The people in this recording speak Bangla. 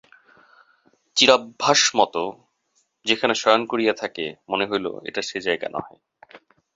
চিরাভ্যাসমতো যেখানে শয়ন করিয়া থাকে, মনে হইল, এটা সে জায়গা নহে।